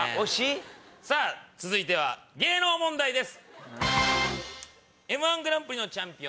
さぁ続いては芸能問題です。